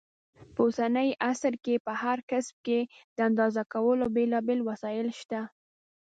په اوسني عصر کې په هر کسب کې د اندازه کولو بېلابېل وسایل شته.